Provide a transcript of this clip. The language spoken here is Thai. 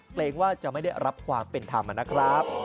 เกรงว่าจะไม่ได้รับความเป็นธรรมนะครับ